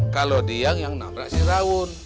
kalau dia yang nabrak si rawun